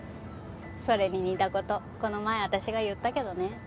それに似た事この前私が言ったけどね。